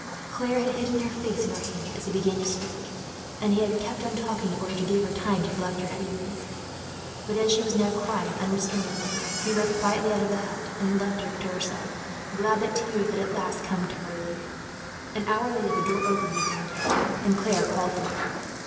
Claire had hidden her face in her hands, as he began to speak; and he had kept on talking, in order to give her time to collect her feelings; but as she was now crying unrestrainedly, he went quietly out of the hut and left her to herself; glad that tears had come to her relief, for the first time. An hour later the door opened behind him, and Claire called him in.